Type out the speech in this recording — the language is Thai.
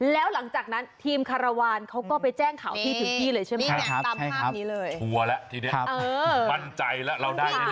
แล้วหลังจากนั้นทีมคารวาลเขาก็ไปแจ้งข่าวพี่ถึงที่เลยใช่ไหม